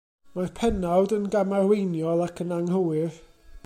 Mae'r pennawd yn gamarweiniol ac yn anghywir.